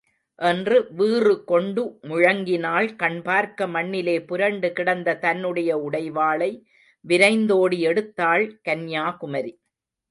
என்று வீறு கொண்டு முழங்கினாள் கண்பார்க்க மண்ணிலே புரண்டு கிடந்த தன்னுடைய உடைவாளை விரைந்தோடி எடுத்தாள், கன்யாகுமரி!